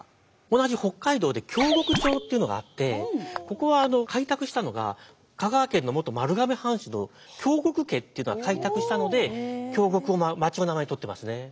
同じ北海道で京極町っていうのがあってここは開拓したのが香川県の元丸亀藩主の京極家っていうのが開拓したので京極を町の名前に取ってますね。